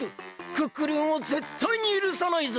クックルンをぜったいにゆるさないぞ！